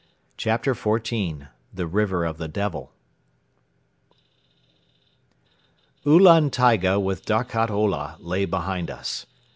CHAPTER XIV THE RIVER OF THE DEVIL Ulan Taiga with Darkhat Ola lay behind us.